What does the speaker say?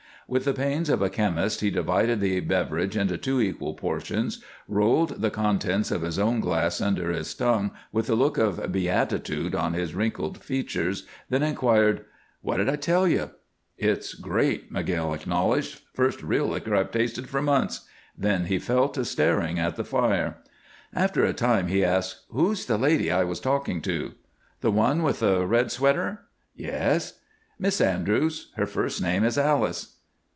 With the pains of a chemist he divided the beverage into two equal portions, rolled the contents of his own glass under his tongue with a look of beatitude on his wrinkled features, then inquired, "What did I tell you?" "It's great," McGill acknowledged. "First real liquor I've tasted for months." Then he fell to staring at the fire. After a time he asked, "Who's the lady I was talking to?" "The one with the red sweater?" "Yes." "Miss Andrews. Her first name is Alice."